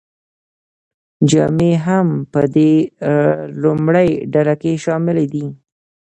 جامې هم په دې لومړۍ ډله کې شاملې دي.